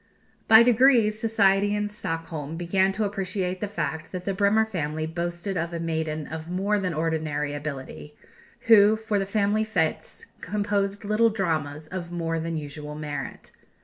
By degrees, society in Stockholm began to appreciate the fact that the Bremer family boasted of a maiden of more than ordinary ability, who, for the family fêtes, composed little dramas of more than usual merit.